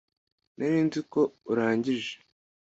nari nzi ko urangije